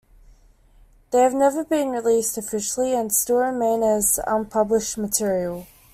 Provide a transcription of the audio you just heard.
They have never been released officially and still remain as unpublished material.